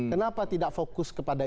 kenapa tidak fokus kepada